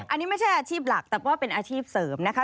อันนี้ไม่ใช่อาชีพหลักแต่ว่าเป็นอาชีพเสริมนะคะ